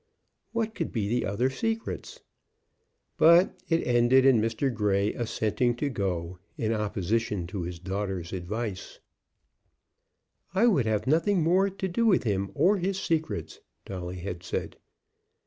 What could be the "other secrets?" But it ended in Mr. Grey assenting to go, in opposition to his daughter's advice. "I would have nothing more to do with him or his secrets," Dolly had said.